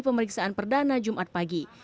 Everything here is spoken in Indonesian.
pemeriksaan perdana jumat pagi